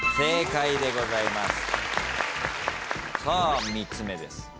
さあ３つ目です。